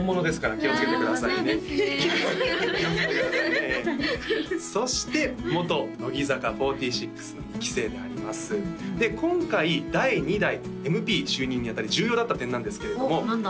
気をつけてくださいねそして元乃木坂４６の２期生でありますで今回第２代ＭＰ就任にあたり重要だった点なんですけれども何だ？